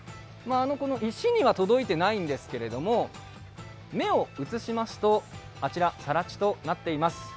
この石には届いていないんですが、目を移しますと、あちら、さら地となっています。